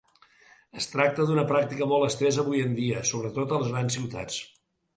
Es tracta d'una pràctica molt estesa avui en dia, sobretot a les grans ciutats.